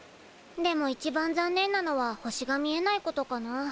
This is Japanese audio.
でもいちばん残念なのは星が見えないことかな。